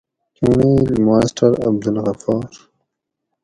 چُنڑیل: : ماسٹر عبدالغفار